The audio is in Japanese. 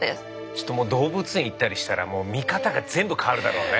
ちょっともう動物園行ったりしたらもう見方が全部変わるだろうね。